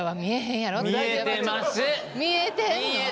見えてんの？